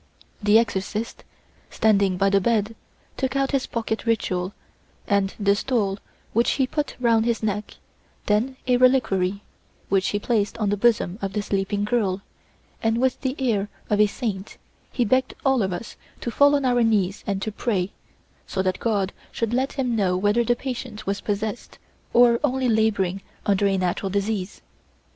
The exorcist, standing by the bed, took out his pocket ritual and the stole which he put round his neck, then a reliquary, which he placed on the bosom of the sleeping girl, and with the air of a saint he begged all of us to fall on our knees and to pray, so that God should let him know whether the patient was possessed or only labouring under a natural disease.